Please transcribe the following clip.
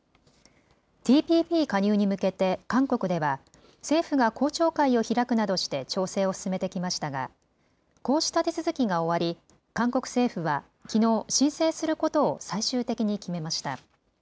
ＴＰＰ加入に向けて韓国では政府が公聴会を開くなどして調整を進めてきましたがこうした手続きが終わり韓国政府はきのう、申請することを最終的に決めました。